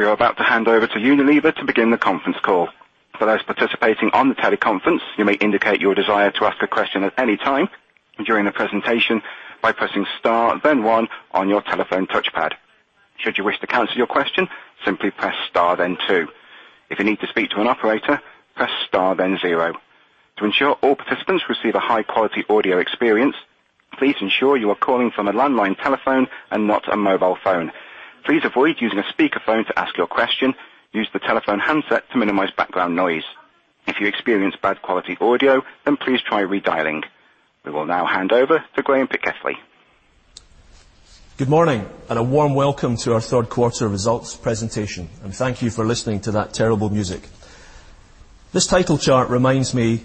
We are about to hand over to Unilever to begin the conference call. For those participating on the teleconference, you may indicate your desire to ask a question at any time during the presentation by pressing star then one on your telephone touchpad. Should you wish to cancel your question, simply press star then two. If you need to speak to an operator, press star then zero. To ensure all participants receive a high-quality audio experience, please ensure you are calling from a landline telephone and not a mobile phone. Please avoid using a speakerphone to ask your question. Use the telephone handset to minimize background noise. If you experience bad quality audio, then please try redialing. We will now hand over to Graeme Pitkethly. Good morning, a warm welcome to our third quarter results presentation. Thank you for listening to that terrible music. This title chart reminds me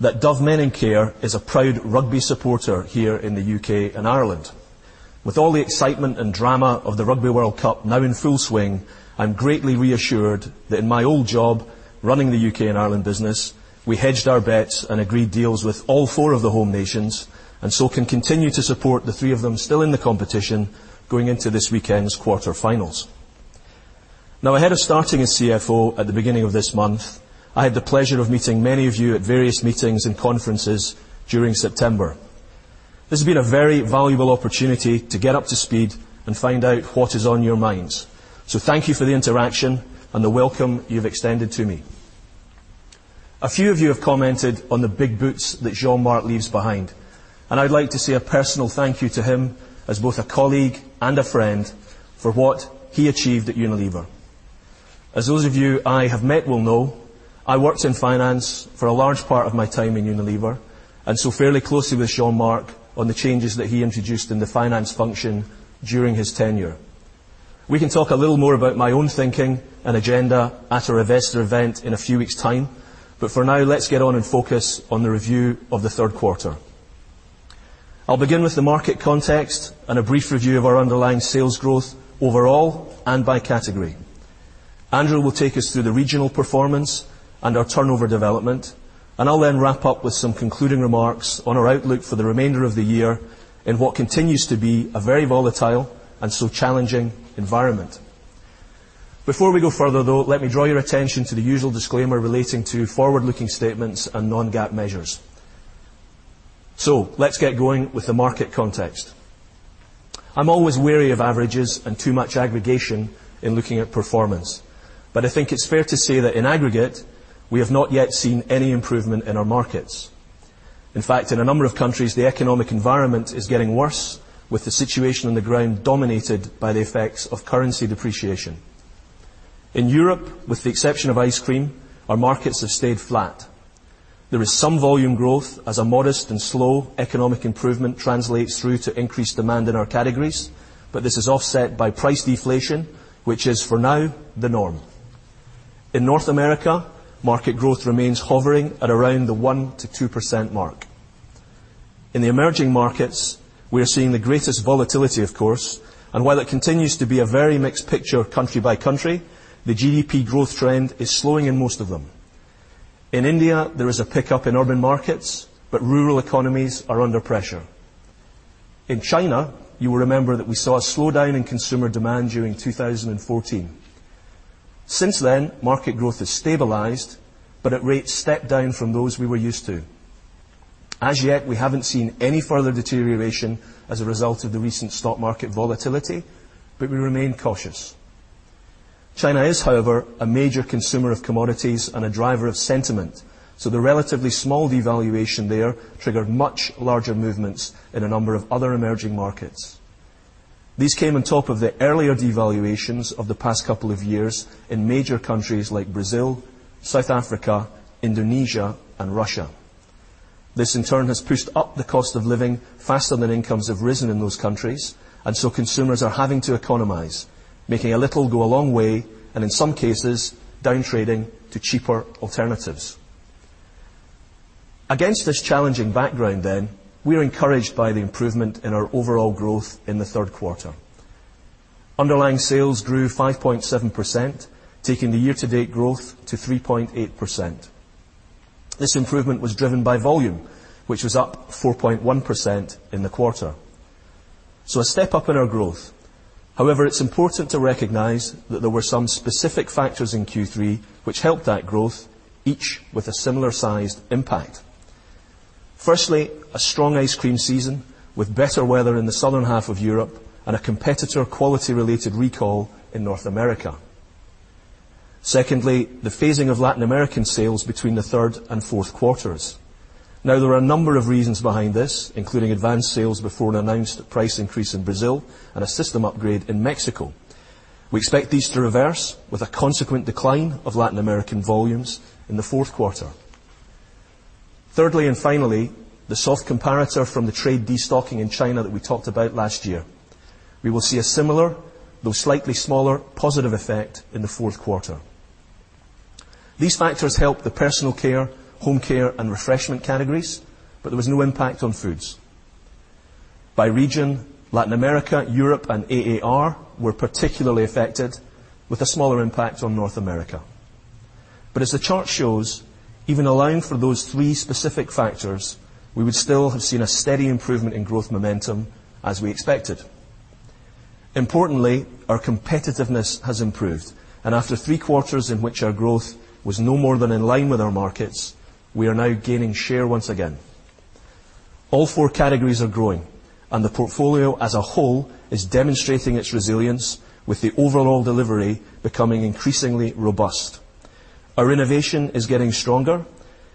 that Dove Men+Care is a proud rugby supporter here in the U.K. and Ireland. With all the excitement and drama of the Rugby World Cup now in full swing, I'm greatly reassured that in my old job running the U.K. and Ireland business, we hedged our bets and agreed deals with all four of the home nations, so can continue to support the three of them still in the competition going into this weekend's quarterfinals. Ahead of starting as CFO at the beginning of this month, I had the pleasure of meeting many of you at various meetings and conferences during September. This has been a very valuable opportunity to get up to speed and find out what is on your minds. Thank you for the interaction and the welcome you've extended to me. A few of you have commented on the big boots that Jean-Marc leaves behind, and I'd like to say a personal thank you to him as both a colleague and a friend for what he achieved at Unilever. As those of you I have met will know, I worked in finance for a large part of my time in Unilever, so fairly closely with Jean-Marc on the changes that he introduced in the finance function during his tenure. We can talk a little more about my own thinking and agenda at our investor event in a few weeks' time. For now, let's get on and focus on the review of the third quarter. I'll begin with the market context and a brief review of our underlying sales growth overall and by category. Andrew will take us through the regional performance and our turnover development, I'll then wrap up with some concluding remarks on our outlook for the remainder of the year in what continues to be a very volatile so challenging environment. Before we go further, though, let me draw your attention to the usual disclaimer relating to forward-looking statements and non-GAAP measures. Let's get going with the market context. I'm always wary of averages and too much aggregation in looking at performance, I think it's fair to say that in aggregate, we have not yet seen any improvement in our markets. In fact, in a number of countries, the economic environment is getting worse, with the situation on the ground dominated by the effects of currency depreciation. In Europe, with the exception of ice cream, our markets have stayed flat. There is some volume growth as a modest and slow economic improvement translates through to increased demand in our categories. This is offset by price deflation, which is, for now, the norm. In North America, market growth remains hovering at around the 1%-2% mark. In the emerging markets, we are seeing the greatest volatility, of course, and while it continues to be a very mixed picture country by country, the GDP growth trend is slowing in most of them. In India, there is a pickup in urban markets, but rural economies are under pressure. In China, you will remember that we saw a slowdown in consumer demand during 2014. Since then, market growth has stabilized but at rates stepped down from those we were used to. As yet, we haven't seen any further deterioration as a result of the recent stock market volatility, but we remain cautious. China is, however, a major consumer of commodities and a driver of sentiment, so the relatively small devaluation there triggered much larger movements in a number of other emerging markets. These came on top of the earlier devaluations of the past couple of years in major countries like Brazil, South Africa, Indonesia, and Russia. This, in turn, has pushed up the cost of living faster than incomes have risen in those countries, and so consumers are having to economize, making a little go a long way and, in some cases, downtrading to cheaper alternatives. Against this challenging background then, we are encouraged by the improvement in our overall growth in the third quarter. Underlying sales grew 5.7%, taking the year-to-date growth to 3.8%. This improvement was driven by volume, which was up 4.1% in the quarter. A step up in our growth. It's important to recognize that there were some specific factors in Q3 which helped that growth, each with a similar-sized impact. Firstly, a strong ice cream season with better weather in the southern half of Europe and a competitor quality-related recall in North America. Secondly, the phasing of Latin American sales between the third and fourth quarters. Now, there are a number of reasons behind this, including advanced sales before an announced price increase in Brazil and a system upgrade in Mexico. We expect these to reverse with a consequent decline of Latin American volumes in the fourth quarter. Thirdly and finally, the soft comparator from the trade destocking in China that we talked about last year. We will see a similar, though slightly smaller, positive effect in the fourth quarter. These factors help the personal care, home care, and refreshment categories, but there was no impact on foods. By region, Latin America, Europe, and AAR were particularly affected, with a smaller impact on North America. As the chart shows, even allowing for those three specific factors, we would still have seen a steady improvement in growth momentum as we expected. Importantly, our competitiveness has improved, and after three quarters in which our growth was no more than in line with our markets, we are now gaining share once again. All four categories are growing, and the portfolio as a whole is demonstrating its resilience with the overall delivery becoming increasingly robust. Our innovation is getting stronger,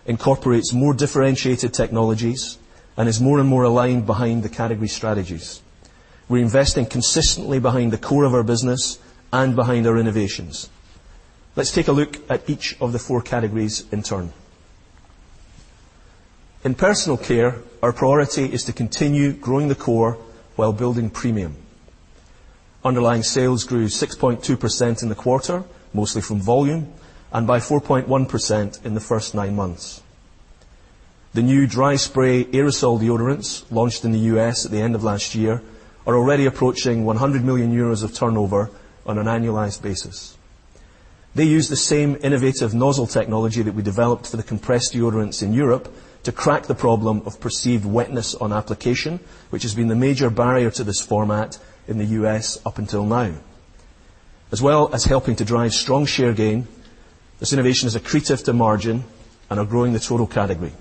incorporates more differentiated technologies, and is more and more aligned behind the category strategies. We're investing consistently behind the core of our business and behind our innovations. Let's take a look at each of the four categories in turn. In personal care, our priority is to continue growing the core while building premium. Underlying sales grew 6.2% in the quarter, mostly from volume, and by 4.1% in the first nine months. The new dry spray aerosol deodorants launched in the U.S. at the end of last year are already approaching 100 million euros of turnover on an annualized basis. They use the same innovative nozzle technology that we developed for the compressed deodorants in Europe to crack the problem of perceived wetness on application, which has been the major barrier to this format in the U.S. up until now. As well as helping to drive strong share gain, this innovation is accretive to margin and are growing the total category.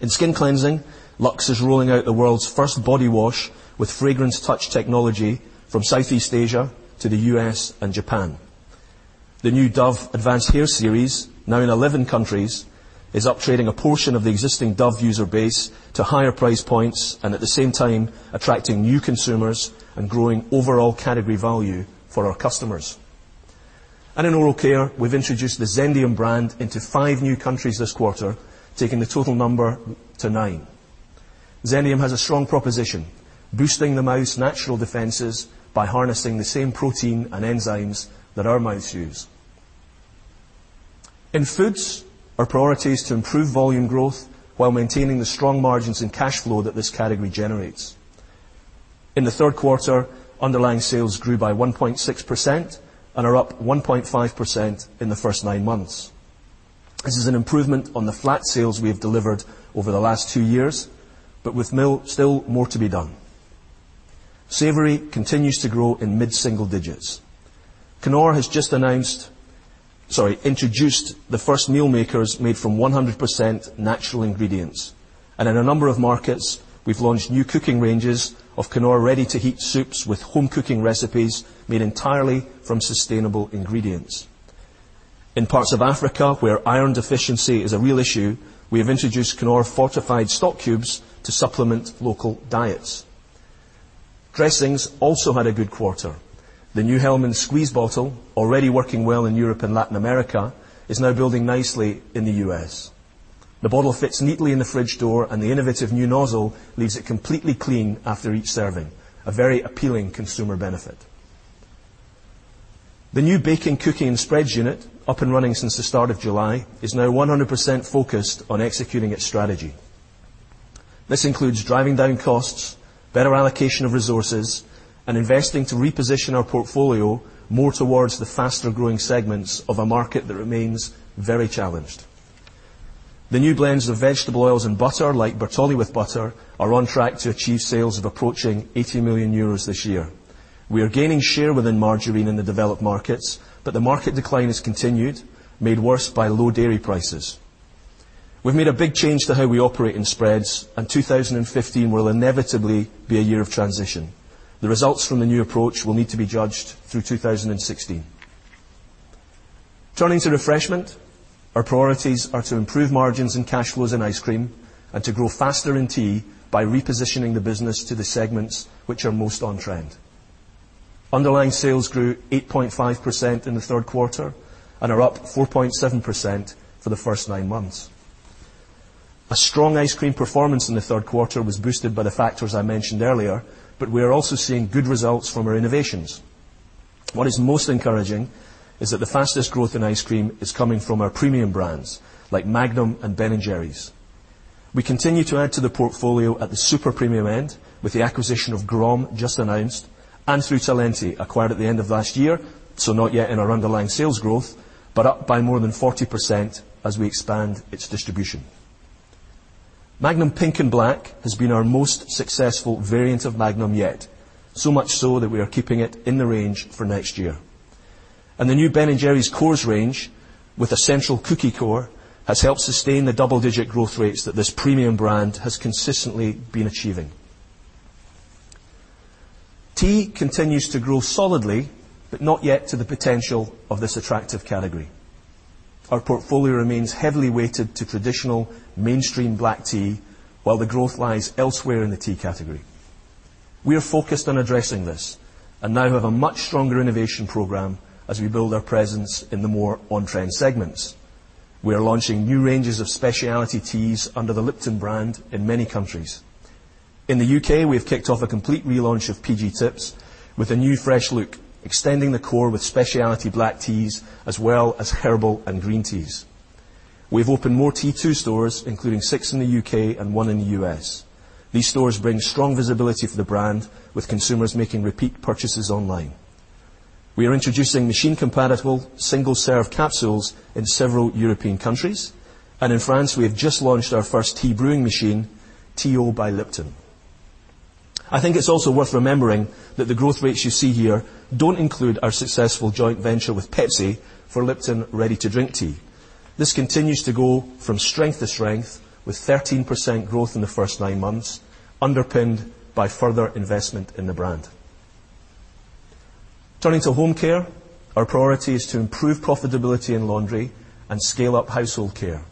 In skin cleansing, Lux is rolling out the world's first body wash with Fragrance Touch technology from Southeast Asia to the U.S. and Japan. The new Dove Advanced Hair Series, now in 11 countries, is up-trading a portion of the existing Dove user base to higher price points, and at the same time attracting new consumers and growing overall category value for our customers. In oral care, we've introduced the Zendium brand into five new countries this quarter, taking the total number to nine. Zendium has a strong proposition, boosting the mouth's natural defenses by harnessing the same protein and enzymes that our mouths use. In foods, our priority is to improve volume growth while maintaining the strong margins and cash flow that this category generates. In the third quarter, underlying sales grew by 1.6% and are up 1.5% in the first nine months. This is an improvement on the flat sales we have delivered over the last two years, but with still more to be done. Savory continues to grow in mid-single digits. Knorr has just introduced the first meal makers made from 100% natural ingredients, and in a number of markets, we've launched new cooking ranges of Knorr ready-to-heat soups with home cooking recipes made entirely from sustainable ingredients. In parts of Africa where iron deficiency is a real issue, we have introduced Knorr fortified stock cubes to supplement local diets. Dressings also had a good quarter. The new Hellmann's squeeze bottle, already working well in Europe and Latin America, is now building nicely in the U.S. The bottle fits neatly in the fridge door, and the innovative new nozzle leaves it completely clean after each serving, a very appealing consumer benefit. The new baking, cooking, and spreads unit, up and running since the start of July, is now 100% focused on executing its strategy. This includes driving down costs, better allocation of resources, and investing to reposition our portfolio more towards the faster-growing segments of a market that remains very challenged. The new blends of vegetable oils and butter, like Bertolli with butter, are on track to achieve sales of approaching 80 million euros this year. We are gaining share within margarine in the developed markets, but the market decline has continued, made worse by low dairy prices. We've made a big change to how we operate in spreads, and 2015 will inevitably be a year of transition. The results from the new approach will need to be judged through 2016. Turning to refreshment, our priorities are to improve margins and cash flows in ice cream and to grow faster in tea by repositioning the business to the segments which are most on-trend. Underlying sales grew 8.5% in the third quarter and are up 4.7% for the first nine months. A strong ice cream performance in the third quarter was boosted by the factors I mentioned earlier, but we are also seeing good results from our innovations. What is most encouraging is that the fastest growth in ice cream is coming from our premium brands like Magnum and Ben & Jerry's. We continue to add to the portfolio at the super premium end with the acquisition of Grom, just announced, and through Talenti, acquired at the end of last year, so not yet in our underlying sales growth, but up by more than 40% as we expand its distribution. Magnum Pink and Black has been our most successful variant of Magnum yet. So much so, that we are keeping it in the range for next year. The new Ben & Jerry's Cores range with a central cookie core has helped sustain the double-digit growth rates that this premium brand has consistently been achieving. Tea continues to grow solidly, but not yet to the potential of this attractive category. Our portfolio remains heavily weighted to traditional mainstream black tea, while the growth lies elsewhere in the tea category. We are focused on addressing this and now have a much stronger innovation program as we build our presence in the more on-trend segments. We are launching new ranges of specialty teas under the Lipton brand in many countries. In the U.K., we have kicked off a complete relaunch of PG Tips with a new fresh look, extending the core with specialty black teas as well as herbal and green teas. We've opened more T2 stores, including six in the U.K. and one in the U.S. These stores bring strong visibility for the brand, with consumers making repeat purchases online. We are introducing machine-compatible single-serve capsules in several European countries. In France, we have just launched our first tea-brewing machine, T.O. by Lipton. I think it's also worth remembering that the growth rates you see here don't include our successful joint venture with PepsiCo for Lipton ready-to-drink tea. This continues to go from strength to strength, with 13% growth in the first nine months underpinned by further investment in the brand. Turning to Home Care, our priority is to improve profitability in laundry and scale up household care.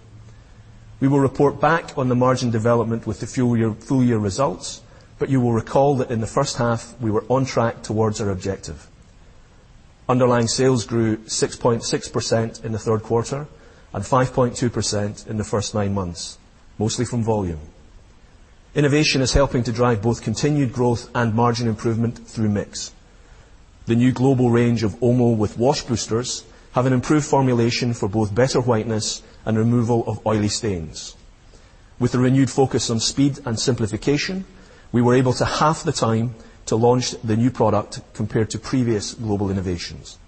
We will report back on the margin development with the full-year results, but you will recall that in the first half, we were on track towards our objective. Underlying sales grew 6.6% in the third quarter and 5.2% in the first nine months, mostly from volume. Innovation is helping to drive both continued growth and margin improvement through mix. The new global range of Omo with wash boosters have an improved formulation for both better whiteness and removal of oily stains. With a renewed focus on speed and simplification, we were able to halve the time to launch the new product compared to previous global innovations.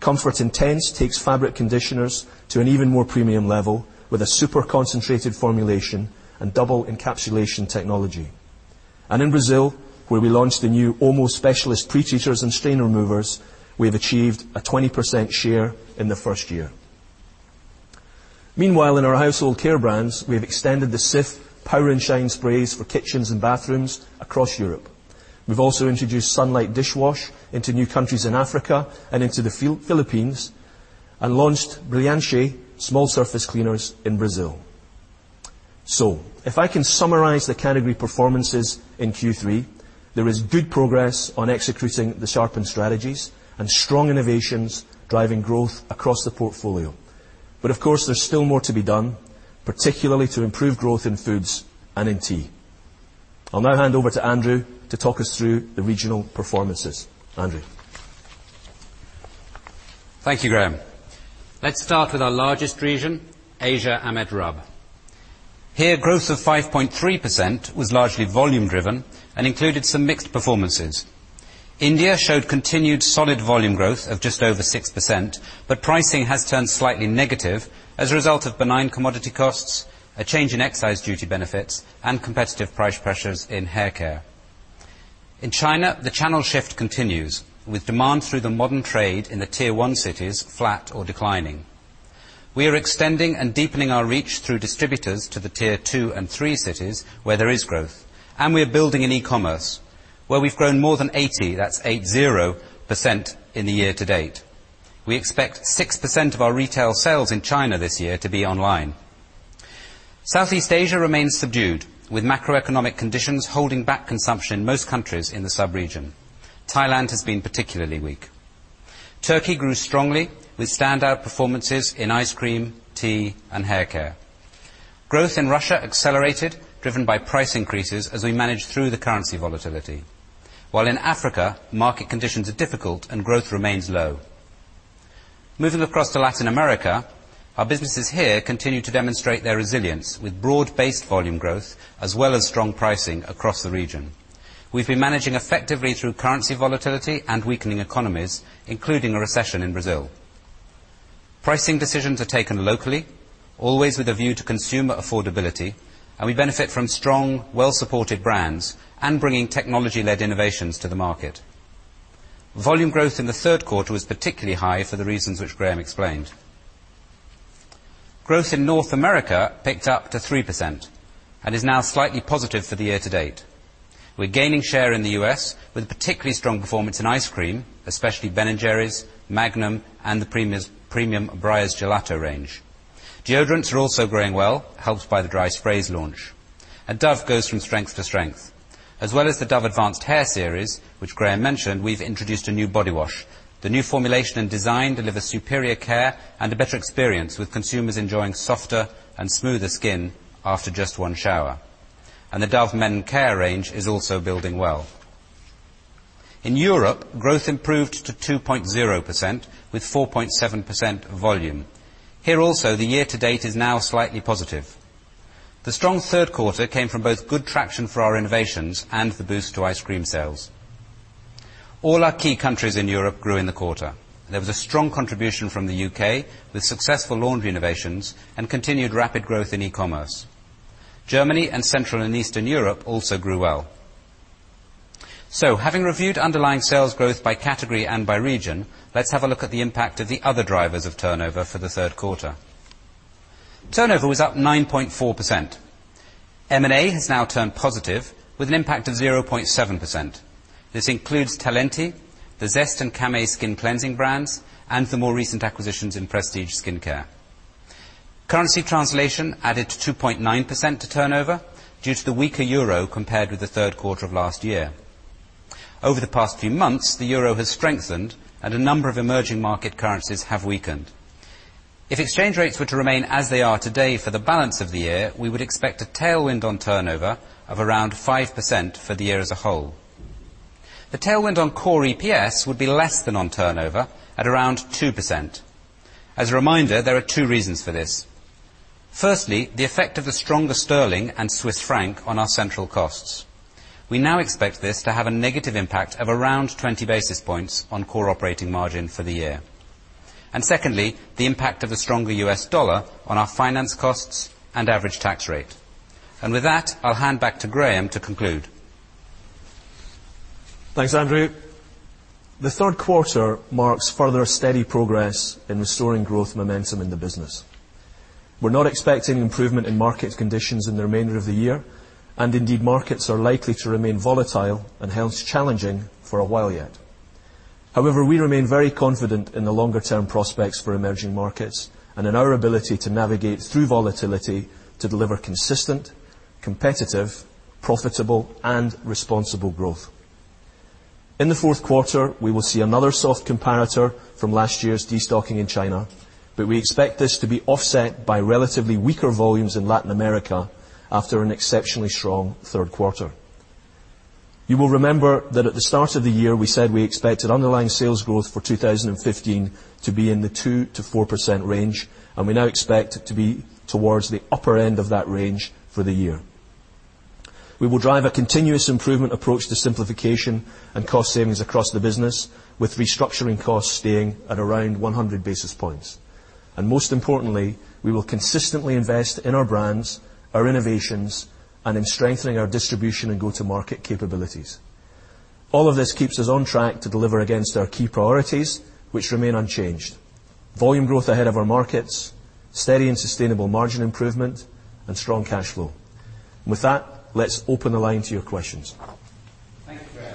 Comfort Intense takes fabric conditioners to an even more premium level with a super-concentrated formulation and double encapsulation technology. In Brazil, where we launched the new Omo specialist pretreaters and stain removers, we have achieved a 20% share in the first year. Meanwhile, in our household care brands, we have extended the Cif Power & Shine sprays for kitchens and bathrooms across Europe. We've also introduced Sunlight Dishwash into new countries in Africa and into the Philippines and launched Brilhante small surface cleaners in Brazil. If I can summarize the category performances in Q3, there is good progress on executing the sharpened strategies and strong innovations driving growth across the portfolio. Of course, there's still more to be done, particularly to improve growth in Foods and in Tea. I'll now hand over to Andrew to talk us through the regional performances. Andrew? Thank you, Graeme. Let's start with our largest region, Asia/AMET/RUB. Here, growth of 5.3% was largely volume driven and included some mixed performances. India showed continued solid volume growth of just over 6%, but pricing has turned slightly negative as a result of benign commodity costs, a change in excise duty benefits, and competitive price pressures in haircare. In China, the channel shift continues, with demand through the modern trade in the Tier 1 cities flat or declining. We are extending and deepening our reach through distributors to the Tier 2 and 3 cities where there is growth, and we are building in e-commerce, where we've grown more than 80% in the year to date. We expect 6% of our retail sales in China this year to be online. Southeast Asia remains subdued, with macroeconomic conditions holding back consumption in most countries in the sub-region. Thailand has been particularly weak. Turkey grew strongly, with standout performances in ice cream, tea, and haircare. Growth in Russia accelerated, driven by price increases as we manage through the currency volatility. While in Africa, market conditions are difficult, and growth remains low. Moving across to Latin America, our businesses here continue to demonstrate their resilience, with broad-based volume growth as well as strong pricing across the region. We've been managing effectively through currency volatility and weakening economies, including a recession in Brazil. Pricing decisions are taken locally, always with a view to consumer affordability, and we benefit from strong, well-supported brands and bringing technology-led innovations to the market. Volume growth in the third quarter was particularly high for the reasons which Graeme explained. Growth in North America picked up to 3% and is now slightly positive for the year to date. We're gaining share in the U.S. with particularly strong performance in ice cream, especially Ben & Jerry's, Magnum, and the premium Breyers gelato range. Deodorants are also growing well, helped by the dry sprays launch. Dove goes from strength to strength. As well as the Dove Advanced Hair Series, which Graeme mentioned, we've introduced a new body wash. The new formulation and design deliver superior care and a better experience, with consumers enjoying softer and smoother skin after just one shower. The Dove Men+Care range is also building well. In Europe, growth improved to 2.0%, with 4.7% volume. Here also, the year to date is now slightly positive. The strong third quarter came from both good traction for our innovations and the boost to ice cream sales. All our key countries in Europe grew in the quarter. There was a strong contribution from the U.K., with successful laundry innovations and continued rapid growth in e-commerce. Germany and Central and Eastern Europe also grew well. Having reviewed underlying sales growth by category and by region, let's have a look at the impact of the other drivers of turnover for the third quarter. Turnover was up 9.4%. M&A has now turned positive with an impact of 0.7%. This includes Talenti, the Zest and Camay skin cleansing brands, and the more recent acquisitions in prestige skincare. Currency translation added 2.9% to turnover due to the weaker EUR compared with the third quarter of last year. Over the past few months, the EUR has strengthened, and a number of emerging market currencies have weakened. If exchange rates were to remain as they are today for the balance of the year, we would expect a tailwind on turnover of around 5% for the year as a whole. The tailwind on core EPS would be less than on turnover at around 2%. As a reminder, there are two reasons for this. Firstly, the effect of the stronger sterling and Swiss franc on our central costs. We now expect this to have a negative impact of around 20 basis points on core operating margin for the year. Secondly, the impact of a stronger US dollar on our finance costs and average tax rate. With that, I'll hand back to Graeme to conclude. Thanks, Andrew. The third quarter marks further steady progress in restoring growth momentum in the business. We're not expecting improvement in market conditions in the remainder of the year, and indeed, markets are likely to remain volatile and hence challenging for a while yet. However, we remain very confident in the longer-term prospects for emerging markets and in our ability to navigate through volatility to deliver consistent, competitive, profitable, and responsible growth. In the fourth quarter, we will see another soft comparator from last year's destocking in China, but we expect this to be offset by relatively weaker volumes in Latin America after an exceptionally strong third quarter. You will remember that at the start of the year, we said we expected underlying sales growth for 2015 to be in the 2%-4% range, and we now expect it to be towards the upper end of that range for the year. We will drive a continuous improvement approach to simplification and cost savings across the business, with restructuring costs staying at around 100 basis points. Most importantly, we will consistently invest in our brands, our innovations, and in strengthening our distribution and go-to market capabilities. All of this keeps us on track to deliver against our key priorities, which remain unchanged. Volume growth ahead of our markets, steady and sustainable margin improvement, and strong cash flow. With that, let's open the line to your questions. Thank you, Graeme.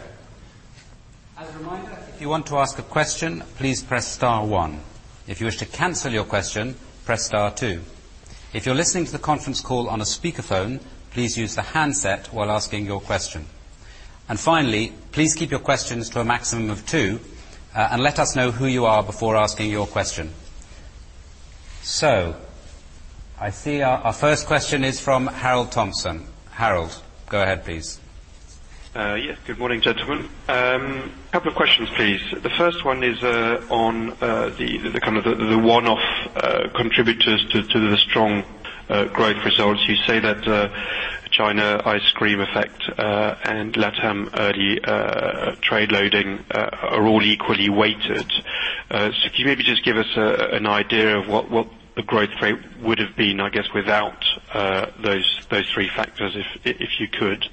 As a reminder, if you want to ask a question, please press star one. If you wish to cancel your question, press star two. If you're listening to the conference call on a speakerphone, please use the handset while asking your question. Finally, please keep your questions to a maximum of two, and let us know who you are before asking your question. I see our first question is from Harold Thompson. Harold, go ahead, please. Yes. Good morning, gentlemen. Couple of questions, please. The first one is on the one-off contributors to the strong growth results. You say that China ice cream effect, and LATAM early trade loading are all equally weighted. Can you maybe just give us an idea of what the growth rate would have been, I guess, without those three factors, if you could?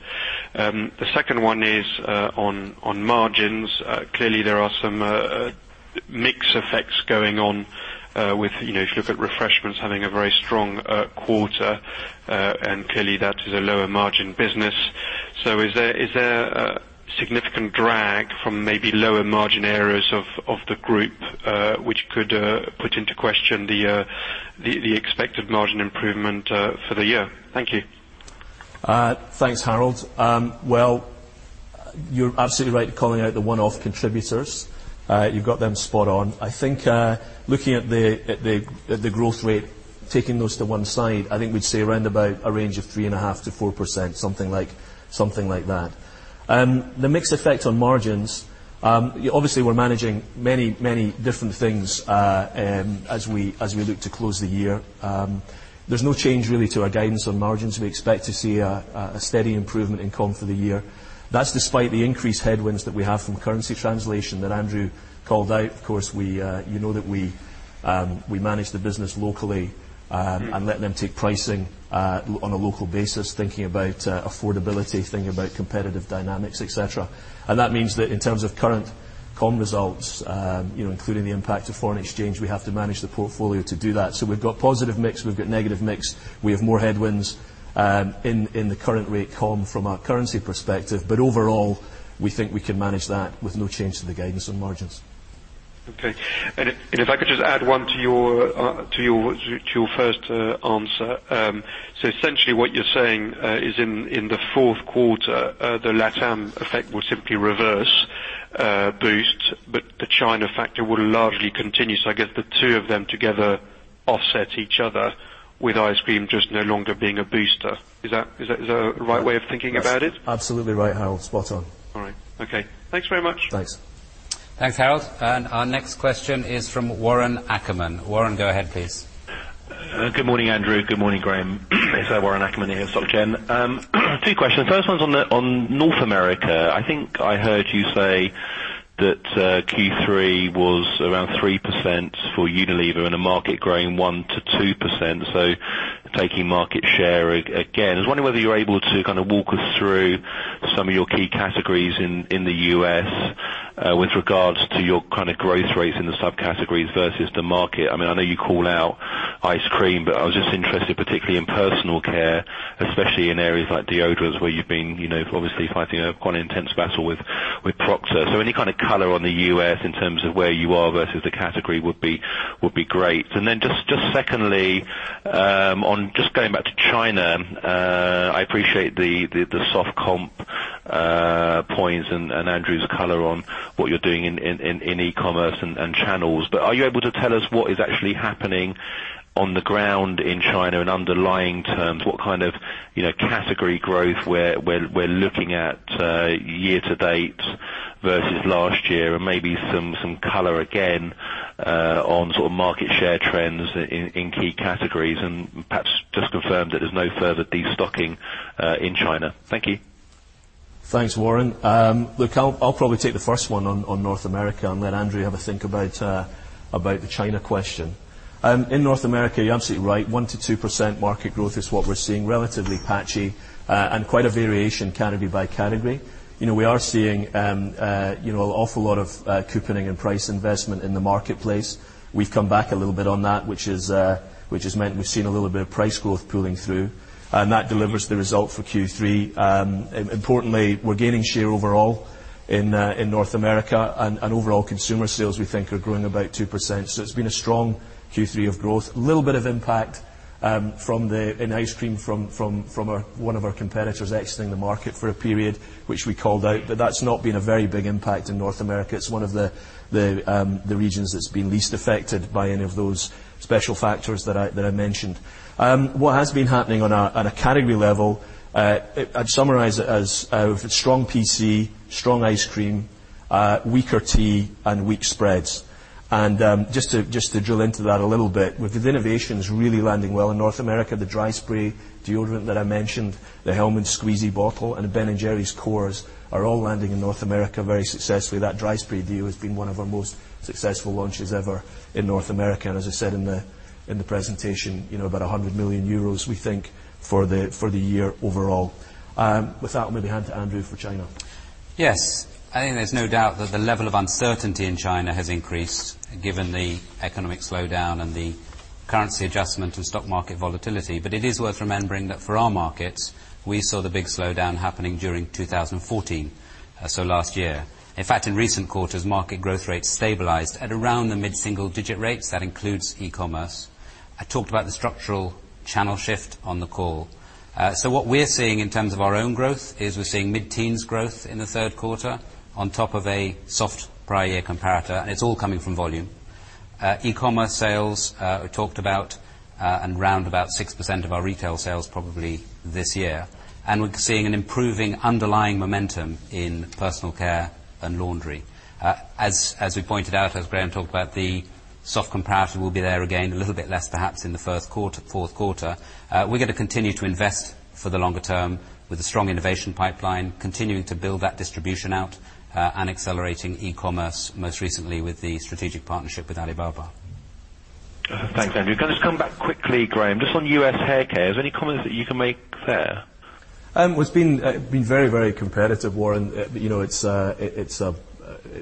The second one is on margins. Clearly, there are some mix effects going on with, if you look at Refreshments having a very strong quarter, and clearly that is a lower margin business. Is there a significant drag from maybe lower margin areas of the group, which could put into question the expected margin improvement for the year? Thank you. Thanks, Harold. You're absolutely right in calling out the one-off contributors. You've got them spot on. I think, looking at the growth rate, taking those to one side, I think we'd say around about a range of 3.5%-4%, something like that. The mix effect on margins. Obviously, we're managing many different things as we look to close the year. There's no change really to our guidance on margins. We expect to see a steady improvement in comp for the year. That's despite the increased headwinds that we have from currency translation that Andrew called out. Of course, you know that we manage the business locally, let them take pricing on a local basis, thinking about affordability, thinking about competitive dynamics, et cetera. That means that in terms of current comp results, including the impact of foreign exchange, we have to manage the portfolio to do that. We've got positive mix, we've got negative mix, we have more headwinds in the current rate comp from a currency perspective. Overall, we think we can manage that with no change to the guidance on margins. Okay. If I could just add one to your first answer. Essentially what you're saying is in the fourth quarter, the LATAM effect will simply reverse boost, but the China factor will largely continue. I guess the two of them together offset each other with ice cream just no longer being a booster. Is that a right way of thinking about it? That's absolutely right, Harold. Spot on. All right. Okay. Thanks very much. Thanks. Thanks, Harold. Our next question is from Warren Ackerman. Warren, go ahead, please. Good morning, Andrew. Good morning, Graeme. It's Warren Ackerman here at SocGen. Two questions. First one's on North America. I think I heard you say that Q3 was around 3% for Unilever in a market growing 1%-2%, so taking market share again. I was wondering whether you're able to kind of walk us through some of your key categories in the U.S. with regards to your growth rates in the subcategories versus the market. I know you call out ice cream, but I was just interested particularly in personal care, especially in areas like deodorants where you've been obviously fighting a quite intense battle with Procter. Any kind of color on the U.S. in terms of where you are versus the category would be great. Then just secondly, on just going back to China, I appreciate the soft comp points and Andrew's color on what you're doing in e-commerce and channels. Are you able to tell us what is actually happening on the ground in China in underlying terms, what kind of category growth we're looking at year to date versus last year? Maybe some color again on market share trends in key categories, and perhaps just confirm that there's no further destocking in China. Thank you. Thanks, Warren. Look, I'll probably take the first one on North America and let Andrew have a think about the China question. In North America, you're absolutely right, 1%-2% market growth is what we're seeing, relatively patchy and quite a variation category by category. We are seeing an awful lot of couponing and price investment in the marketplace. We've come back a little bit on that, which has meant we've seen a little bit of price growth pulling through. That delivers the result for Q3. Importantly, we're gaining share overall in North America and overall consumer sales we think are growing about 2%. It's been a strong Q3 of growth. Little bit of impact in ice cream from one of our competitors exiting the market for a period, which we called out, but that's not been a very big impact in North America. It's one of the regions that's been least affected by any of those special factors that I mentioned. What has been happening on a category level, I'd summarize it as strong PC, strong ice cream, weaker tea, and weak spreads. Just to drill into that a little bit, with the innovations really landing well in North America, the dry spray deodorant that I mentioned, the Hellmann's squeezy bottle, and Ben & Jerry's Cores are all landing in North America very successfully. That dry spray deo has been one of our most successful launches ever in North America. As I said in the presentation, about 100 million euros we think for the year overall. With that, I'll maybe hand to Andrew for China. Yes. I think there's no doubt that the level of uncertainty in China has increased given the economic slowdown and the currency adjustment and stock market volatility. It is worth remembering that for our markets, we saw the big slowdown happening during 2014, so last year. In fact, in recent quarters, market growth rates stabilized at around the mid-single digit rates. That includes e-commerce. I talked about the structural channel shift on the call. What we're seeing in terms of our own growth is we're seeing mid-teens growth in the third quarter on top of a soft prior year comparator, and it's all coming from volume. E-commerce sales, we talked about, and around about 6% of our retail sales probably this year. We're seeing an improving underlying momentum in personal care and laundry. As we pointed out, as Graeme talked about, the soft comparator will be there again, a little bit less perhaps in the fourth quarter. We're going to continue to invest for the longer term with a strong innovation pipeline, continuing to build that distribution out, and accelerating e-commerce, most recently with the strategic partnership with Alibaba. Thanks, Andrew. Can I just come back quickly, Graeme, just on U.S. hair care. Is there any comments that you can make there? It's been very competitive, Warren.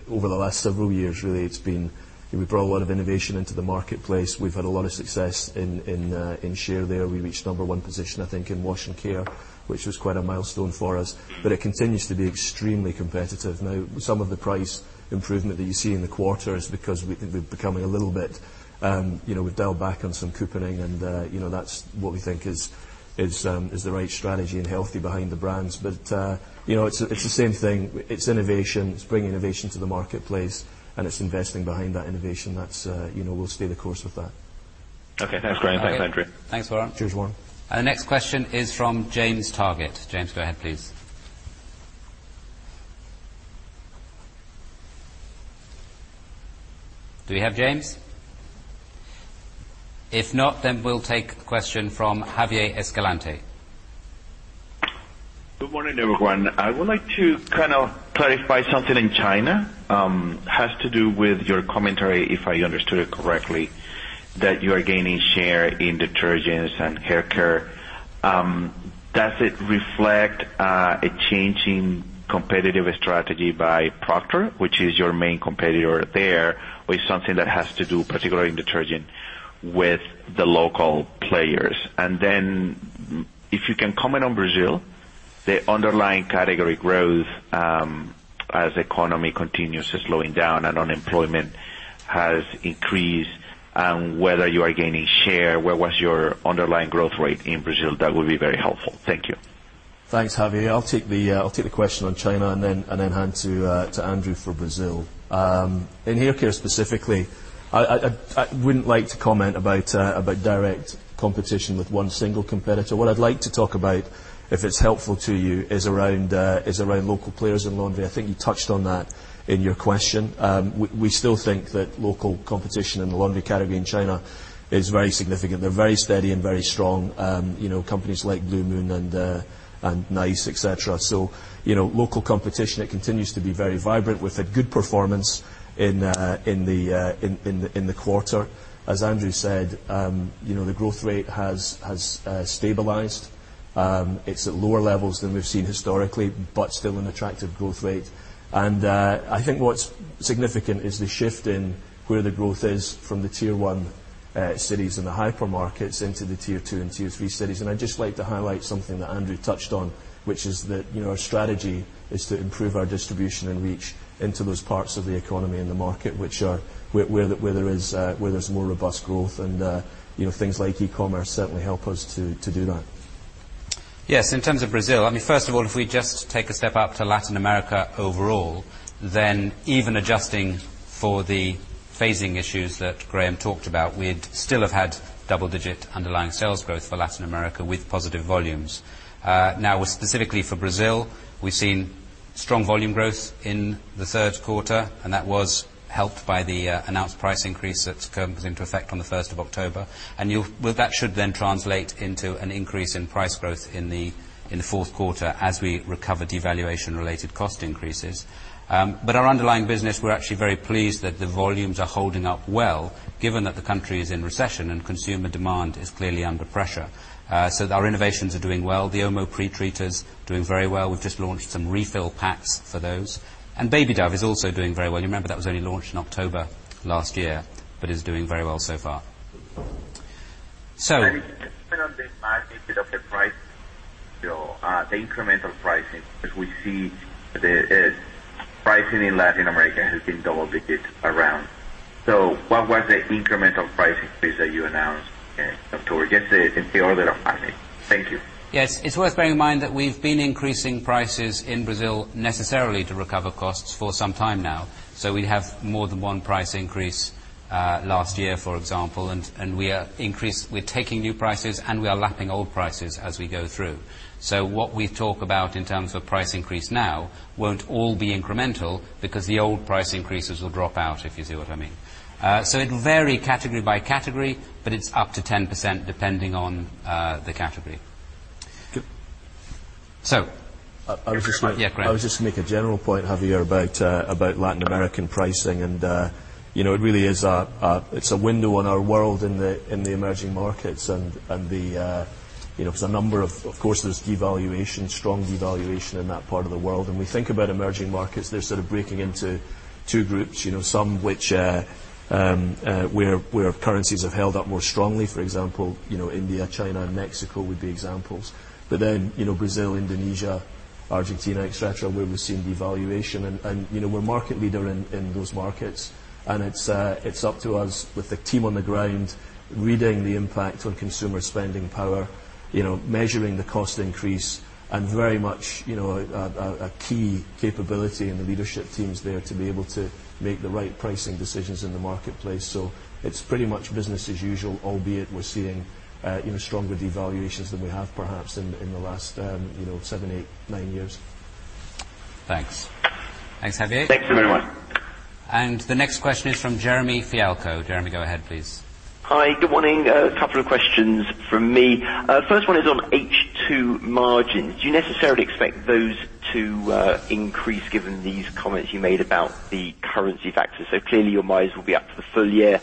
Over the last several years, really, we brought a lot of innovation into the marketplace. We've had a lot of success in share there. We reached number one position, I think, in wash and care, which was quite a milestone for us. It continues to be extremely competitive. Now, some of the price improvement that you see in the quarter is because we've dialed back on some couponing, and that's what we think is the right strategy and healthy behind the brands. It's the same thing. It's innovation, it's bringing innovation to the marketplace, and it's investing behind that innovation. We'll stay the course with that. Okay. Thanks, Graeme. Thanks, Andrew. Thanks, Warren. Cheers, Warren. Our next question is from James Targett. James, go ahead, please. Do we have James? If not, we'll take a question from Javier Escalante. Good morning, everyone. I would like to clarify something in China that has to do with your commentary, if I understood it correctly, that you are gaining share in detergents and hair care. Does it reflect a changing competitive strategy by Procter, which is your main competitor there, or is it something that has to do, particularly in detergent, with the local players? If you can comment on Brazil, the underlying category growth as economy continues slowing down and unemployment has increased, and whether you are gaining share, what is your underlying growth rate in Brazil? That would be very helpful. Thank you. Thanks, Javier. I will take the question on China and then hand to Andrew for Brazil. In hair care specifically, I would not like to comment about direct competition with one single competitor. What I would like to talk about, if it is helpful to you, is around local players in laundry. I think you touched on that in your question. We still think that local competition in the laundry category in China is very significant. They are very steady and very strong, companies like Blue Moon and Nice, et cetera. Local competition, it continues to be very vibrant with a good performance in the quarter. As Andrew said, the growth rate has stabilized. It is at lower levels than we have seen historically, but still an attractive growth rate. I think what is significant is the shift in where the growth is from the Tier 1 cities and the hypermarkets into the Tier 2 and Tier 3 cities. I would just like to highlight something that Andrew touched on, which is that our strategy is to improve our distribution and reach into those parts of the economy and the market where there is more robust growth. Things like e-commerce certainly help us to do that. Yes, in terms of Brazil, first of all, if we just take a step out to Latin America overall, then even adjusting for the phasing issues that Graeme talked about, we would still have had double-digit underlying sales growth for Latin America with positive volumes. Specifically for Brazil, we have seen strong volume growth in the third quarter, and that was helped by the announced price increase that comes into effect on the 1st of October. Well, that should then translate into an increase in price growth in the fourth quarter as we recover devaluation-related cost increases. Our underlying business, we are actually very pleased that the volumes are holding up well given that the country is in recession and consumer demand is clearly under pressure. Our innovations are doing well. The OMO pre-treater is doing very well. We have just launched some refill packs for those. Baby Dove is also doing very well. You remember that was only launched in October last year, but is doing very well so far. If you could just expand on the magnitude of the price, the incremental pricing, because we see the pricing in Latin America has been double digits around. What was the incremental pricing increase that you announced in October? Just in the order of magnitude. Thank you. Yes. It's worth bearing in mind that we've been increasing prices in Brazil necessarily to recover costs for some time now. We have more than one price increase last year, for example, and we're taking new prices, and we are lapping old prices as we go through. What we talk about in terms of price increase now won't all be incremental, because the old price increases will drop out, if you see what I mean. It'll vary category by category, but it's up to 10% depending on the category. Good. So. I was just- Yeah, Graeme. I was just going to make a general point, Javier, about Latin American pricing. It's a window on our world in the emerging markets, because there's a number of course, there's devaluation, strong devaluation in that part of the world. We think about emerging markets, they're sort of breaking into two groups, some which where currencies have held up more strongly. For example, India, China, and Mexico would be examples. Brazil, Indonesia, Argentina, et cetera, where we're seeing devaluation. We're market leader in those markets, and it's up to us with the team on the ground, reading the impact on consumer spending power, measuring the cost increase, and very much a key capability in the leadership teams there to be able to make the right pricing decisions in the marketplace. It's pretty much business as usual, albeit we're seeing even stronger devaluations than we have perhaps in the last seven, eight, nine years. Thanks. Thanks, Javier. Thanks very much. The next question is from Jeremy Fialko. Jeremy, go ahead, please. Hi, good morning. A couple of questions from me. First one is on H2 margins. Do you necessarily expect those to increase given these comments you made about the currency factors? Clearly your margins will be up for the full year.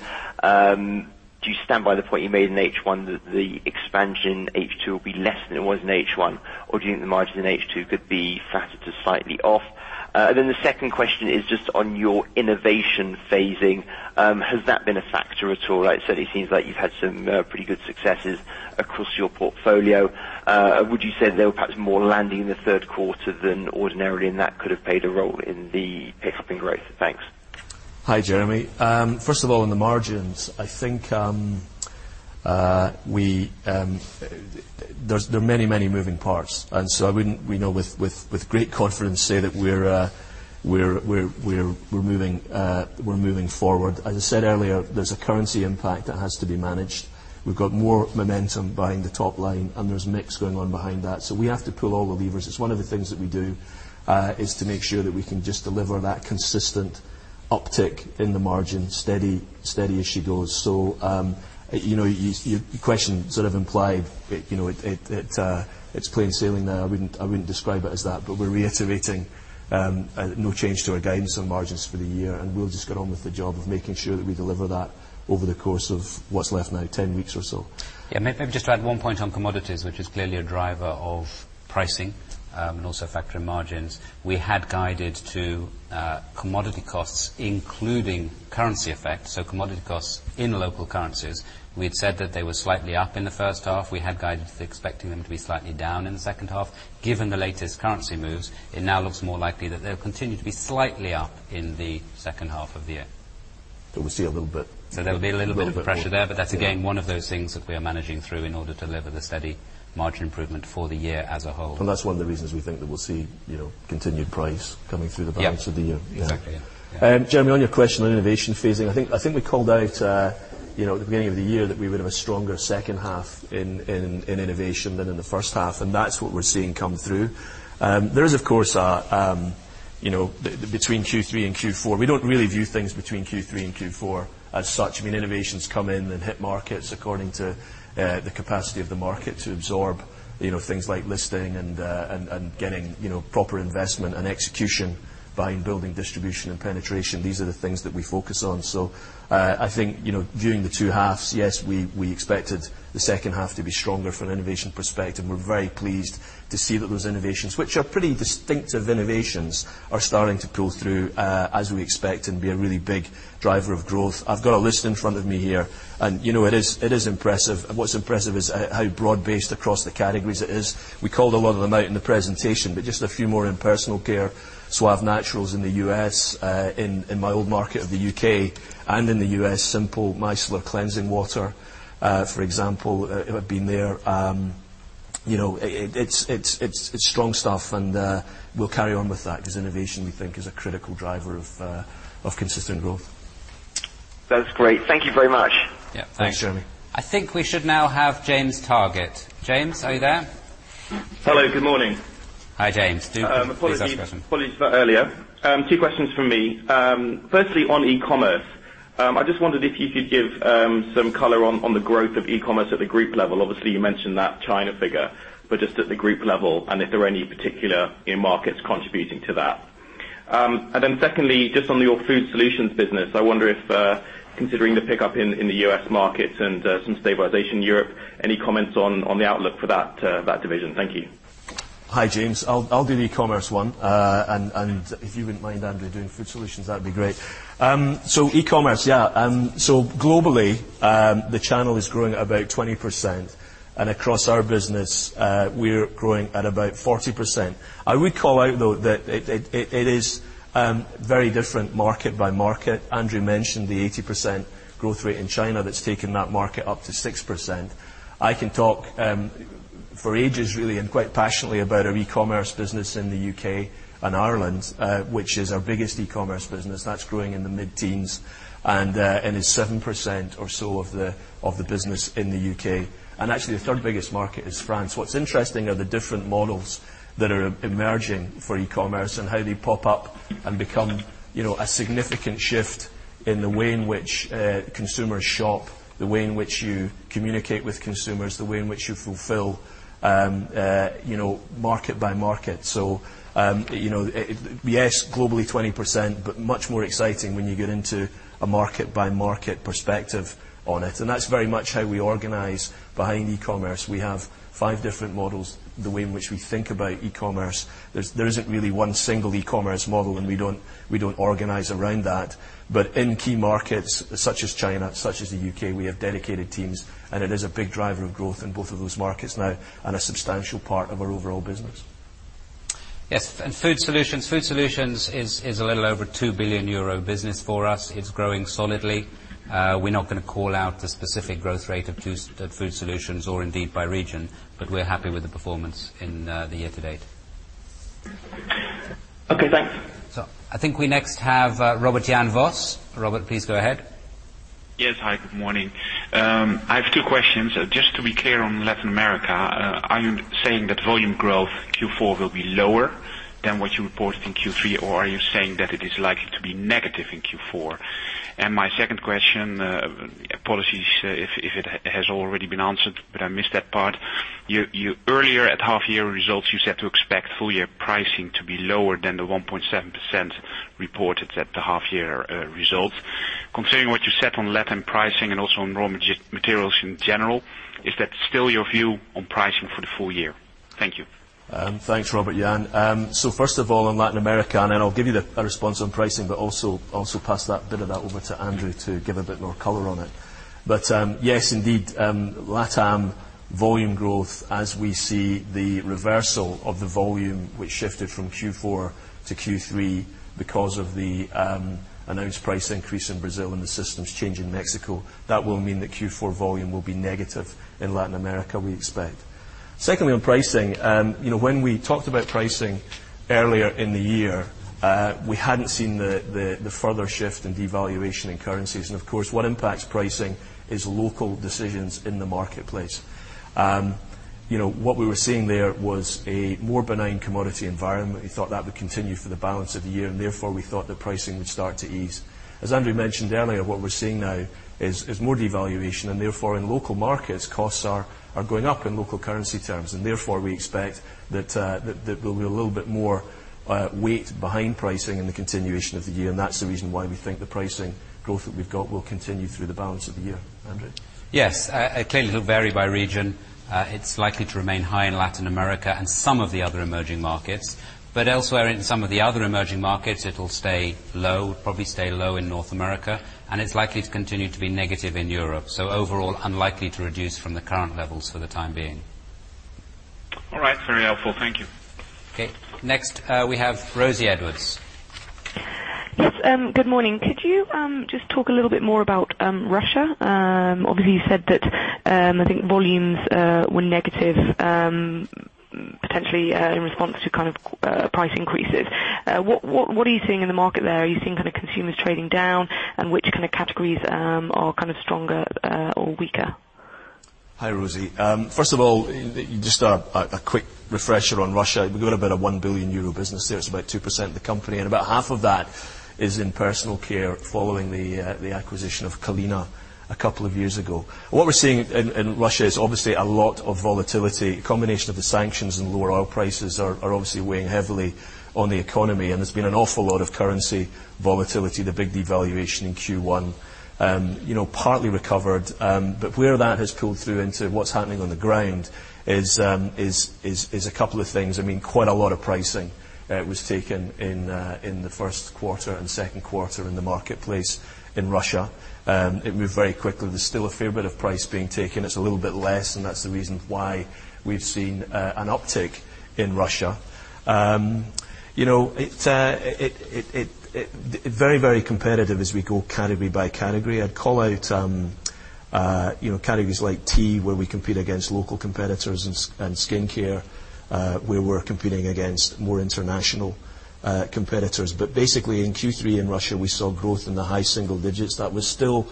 Do you stand by the point you made in H1 that the expansion H2 will be less than it was in H1? Do you think the margins in H2 could be fatter to slightly off? The second question is just on your innovation phasing. Has that been a factor at all? Like I said, it seems like you've had some pretty good successes across your portfolio. Would you say there was perhaps more landing in the third quarter than ordinarily, and that could have played a role in the pickup in growth? Thanks. Hi, Jeremy. First of all, on the margins, I think there are many, many moving parts. I wouldn't, with great confidence say that we're moving forward. As I said earlier, there's a currency impact that has to be managed. We've got more momentum behind the top line, and there's mix going on behind that. We have to pull all the levers. It's one of the things that we do, is to make sure that we can just deliver that consistent uptick in the margin, steady as she goes. Your question sort of implied it's plain sailing now. I wouldn't describe it as that, but we're reiterating no change to our guidance on margins for the year, and we'll just get on with the job of making sure that we deliver that over the course of what's left now, 10 weeks or so. Yeah. Maybe just to add one point on commodities, which is clearly a driver of pricing, and also a factor in margins. We had guided to commodity costs, including currency effects, so commodity costs in local currencies. We had said that they were slightly up in the first half. We had guided expecting them to be slightly down in the second half. Given the latest currency moves, it now looks more likely that they'll continue to be slightly up in the second half of the year. We see a little bit. There'll be a little bit of pressure there. Little bit. Yeah. That's again, one of those things that we are managing through in order to deliver the steady margin improvement for the year as a whole. That's one of the reasons we think that we'll see continued price coming through the balance of the year. Yeah. Exactly. Yeah. Jeremy, on your question on innovation phasing, I think we called out at the beginning of the year that we would have a stronger second half in innovation than in the first half, and that's what we're seeing come through. There is, of course, between Q3 and Q4, we don't really view things between Q3 and Q4 as such. Innovations come in and hit markets according to the capacity of the market to absorb things like listing and getting proper investment and execution behind building distribution and penetration. These are the things that we focus on. I think viewing the two halves, yes, we expected the second half to be stronger from an innovation perspective. We're very pleased to see that those innovations, which are pretty distinctive innovations, are starting to pull through as we expect, and be a really big driver of growth. I've got a list in front of me here, and it is impressive. What's impressive is how broad-based across the categories it is. We called a lot of them out in the presentation, but just a few more in personal care, Suave Naturals in the U.S., in my old market of the U.K., and in the U.S., Simple Micellar Cleansing Water, for example, have been there. It's strong stuff, and we'll carry on with that because innovation, we think, is a critical driver of consistent growth. That's great. Thank you very much. Yeah. Thanks. Thanks, Jeremy. I think we should now have James Targett. James, are you there? Hello, good morning. Hi, James. Please ask your question. Apologies for earlier. Two questions from me. Firstly, on e-commerce, I just wondered if you could give some color on the growth of e-commerce at the group level. Obviously, you mentioned that China figure, but just at the group level, and if there are any particular markets contributing to that. Secondly, just on your Food Solutions business, I wonder if, considering the pickup in the U.S. markets and some stabilization in Europe, any comments on the outlook for that division. Thank you. Hi, James. I'll do the e-commerce one, and if you wouldn't mind, Andrew, doing Food Solutions, that'd be great. E-commerce, yeah. Globally, the channel is growing at about 20%, and across our business, we're growing at about 40%. I would call out, though, that it is very different market by market. Andrew mentioned the 80% growth rate in China that's taken that market up to 6%. I can talk for ages, really, and quite passionately about our e-commerce business in the U.K. and Ireland, which is our biggest e-commerce business. That's growing in the mid-teens and is 7% or so of the business in the U.K. Actually, the third biggest market is France. What's interesting are the different models that are emerging for e-commerce and how they pop up and become a significant shift in the way in which consumers shop, the way in which you communicate with consumers, the way in which you fulfill, market by market. Yes, globally 20%, but much more exciting when you get into a market-by-market perspective on it. That's very much how we organize behind e-commerce. We have five different models, the way in which we think about e-commerce. There's isn't really one single e-commerce model, and we don't organize around that. In key markets such as China, such as the U.K., we have dedicated teams, and it is a big driver of growth in both of those markets now and a substantial part of our overall business. Yes. Food Solutions is a little over 2 billion euro business for us. It's growing solidly. We're not going to call out the specific growth rate of Food Solutions or indeed by region, but we're happy with the performance in the year to date. Okay, thanks. I think we next have Robert Jan Vos. Robert, please go ahead. Yes. Hi, good morning. I have two questions. Just to be clear on Latin America, are you saying that volume growth Q4 will be lower than what you reported in Q3, or are you saying that it is likely to be negative in Q4? My second question, apologies if it has already been answered, but I missed that part. Earlier at half year results, you said to expect full year pricing to be lower than the 1.7% reported at the half year results. Concerning what you said on LatAm pricing and also on raw materials in general, is that still your view on pricing for the full year? Thank you. Thanks, Robert Jan. First of all, on Latin America, I'll give you a response on pricing, also pass that bit of that over to Andrew to give a bit more color on it. Yes, indeed, LatAm volume growth, as we see the reversal of the volume which shifted from Q4 to Q3 because of the announced price increase in Brazil and the systems change in Mexico. That will mean that Q4 volume will be negative in Latin America, we expect. Secondly, on pricing, when we talked about pricing earlier in the year, we hadn't seen the further shift in devaluation in currencies. Of course, what impacts pricing is local decisions in the marketplace. What we were seeing there was a more benign commodity environment. We thought that would continue for the balance of the year, we thought that pricing would start to ease. As Andrew mentioned earlier, what we're seeing now is more devaluation, in local markets, costs are going up in local currency terms, we expect that there'll be a little bit more weight behind pricing in the continuation of the year. That's the reason why we think the pricing growth that we've got will continue through the balance of the year. Andrew? Yes. It clearly will vary by region. It's likely to remain high in Latin America and some of the other emerging markets. Elsewhere in some of the other emerging markets, it'll stay low, probably stay low in North America, it's likely to continue to be negative in Europe. Overall, unlikely to reduce from the current levels for the time being. All right. Very helpful. Thank you. Okay. Next, we have Rosie Edwards. Yes. Good morning. Could you just talk a little bit more about Russia? Obviously, you said that, I think volumes were negative, potentially in response to price increases. What are you seeing in the market there? Are you seeing consumers trading down? Which kind of categories are stronger or weaker? Hi, Rosie. First of all, just a quick refresher on Russia. We've got about a 1 billion euro business there. It's about 2% of the company, and about half of that is in personal care following the acquisition of Kalina a couple of years ago. What we're seeing in Russia is obviously a lot of volatility. A combination of the sanctions and lower oil prices are obviously weighing heavily on the economy, and there's been an awful lot of currency volatility, the big devaluation in Q1. Partly recovered. Where that has pulled through into what's happening on the ground is a couple of things. Quite a lot of pricing was taken in the first quarter and second quarter in the marketplace in Russia. It moved very quickly. There's still a fair bit of price being taken. It's a little bit less, and that's the reason why we've seen an uptick in Russia. Very competitive as we go category by category. I'd call out categories like tea, where we compete against local competitors, and skincare, where we're competing against more international competitors. Basically, in Q3 in Russia, we saw growth in the high single digits. That was still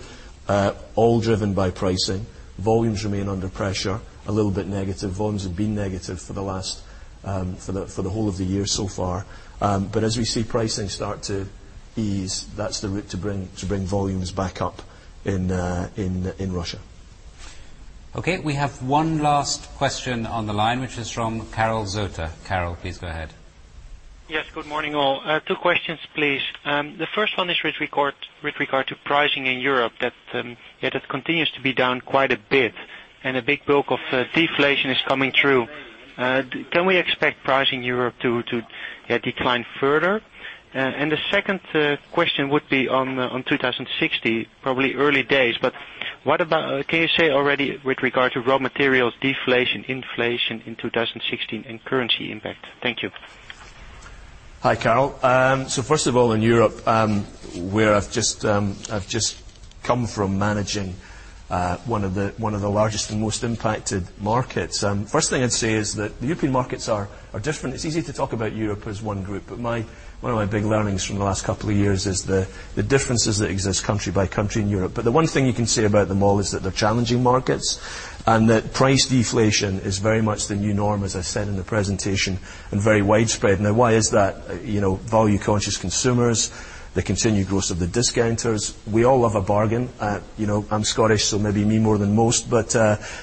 all driven by pricing. Volumes remain under pressure, a little bit negative. Volumes have been negative for the whole of the year so far. As we see pricing start to ease, that's the route to bring volumes back up in Russia. Okay. We have one last question on the line, which is from Karel Zoete. Karel, please go ahead. Yes, good morning, all. Two questions, please. The first one is with regard to pricing in Europe, that it continues to be down quite a bit and a big bulk of deflation is coming through. Can we expect pricing in Europe to decline further? The second question would be on 2016. Probably early days, but what can you say already with regard to raw materials deflation, inflation in 2016, and currency impact? Thank you. Hi, Karel. First of all, in Europe, where I've just come from managing one of the largest and most impacted markets. First thing I'd say is that the European markets are different. It's easy to talk about Europe as one group, but one of my big learnings from the last couple of years is the differences that exist country by country in Europe. The one thing you can say about them all is that they're challenging markets, and that price deflation is very much the new norm, as I said in the presentation, and very widespread. Now, why is that? Value-conscious consumers, the continued growth of the discounters. We all love a bargain. I'm Scottish, so maybe me more than most.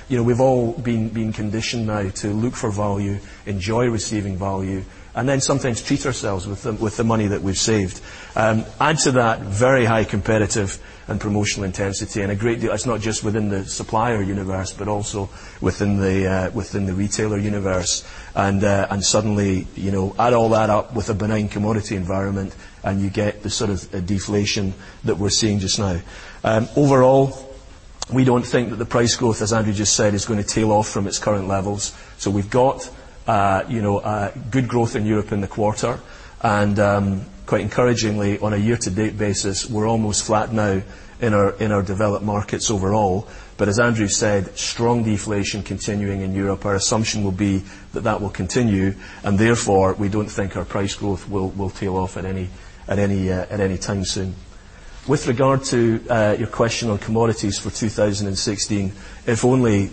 We've all been conditioned now to look for value, enjoy receiving value, and then sometimes treat ourselves with the money that we've saved. Add to that very high competitive and promotional intensity, a great deal. It's not just within the supplier universe, but also within the retailer universe. Suddenly, add all that up with a benign commodity environment, and you get the sort of deflation that we're seeing just now. Overall, we don't think that the price growth, as Andrew just said, is going to tail off from its current levels. We've got good growth in Europe in the quarter, and quite encouragingly, on a year-to-date basis, we're almost flat now in our developed markets overall. As Andrew said, strong deflation continuing in Europe. Our assumption will be that that will continue, and therefore, we don't think our price growth will tail off at any time soon. With regard to your question on commodities for 2016, if only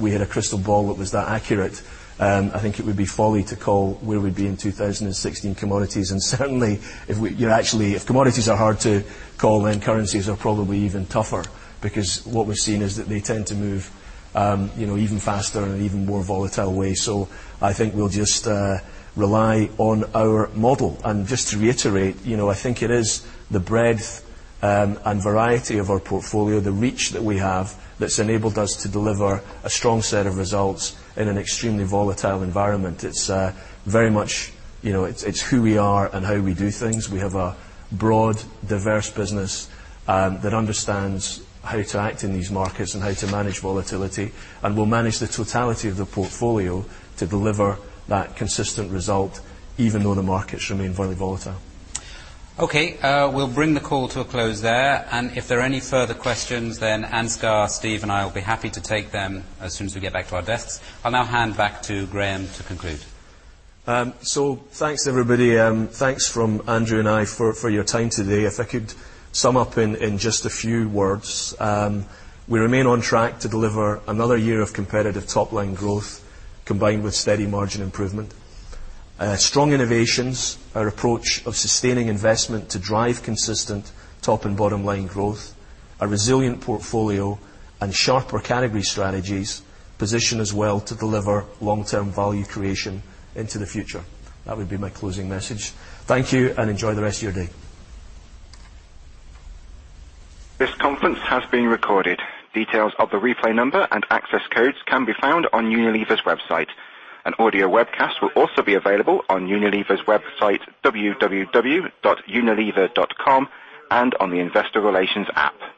we had a crystal ball that was that accurate. I think it would be folly to call where we'd be in 2016 commodities. Certainly if commodities are hard to call, then currencies are probably even tougher. What we've seen is that they tend to move even faster in an even more volatile way. I think we'll just rely on our model. Just to reiterate, I think it is the breadth and variety of our portfolio, the reach that we have, that's enabled us to deliver a strong set of results in an extremely volatile environment. It's very much it's who we are and how we do things. We have a broad, diverse business that understands how to act in these markets and how to manage volatility, and will manage the totality of the portfolio to deliver that consistent result, even though the markets remain very volatile. Okay. We'll bring the call to a close there. If there are any further questions, then Ansgar, Steve, and I will be happy to take them as soon as we get back to our desks. I'll now hand back to Graeme to conclude. Thanks, everybody. Thanks from Andrew and I for your time today. If I could sum up in just a few words. We remain on track to deliver another year of competitive top-line growth, combined with steady margin improvement. Strong innovations, our approach of sustaining investment to drive consistent top and bottom-line growth, a resilient portfolio, and sharper category strategies position us well to deliver long-term value creation into the future. That would be my closing message. Thank you, and enjoy the rest of your day. This conference has been recorded. Details of the replay number and access codes can be found on Unilever's website. An audio webcast will also be available on Unilever's website, www.unilever.com, and on the investor relations app.